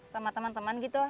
sama teman teman gitu